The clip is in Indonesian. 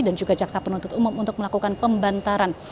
dan juga jaksa penuntut umum untuk melakukan pembantaran